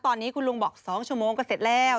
ตอนนี้คุณลุงบอก๒ชั่วโมงก็เสร็จแล้ว